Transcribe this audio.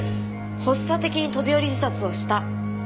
発作的に飛び降り自殺をした。